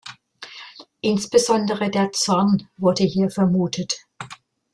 Insbesondere der Zorn wurde hier vermutet.